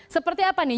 seperti apa nih